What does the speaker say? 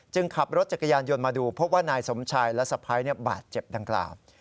ขับรถจักรยานยนต์มาดูพบว่านายสมชายและสะพ้ายบาดเจ็บดังกล่าว